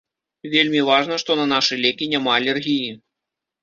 Вельмі важна, што на нашы лекі няма алергіі.